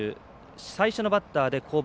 最初のバッターで降板。